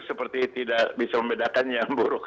seperti tidak bisa membedakan yang buruk